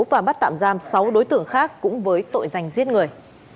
và bắt tạm giam sáu đối tượng khác cũng với tội danh giết người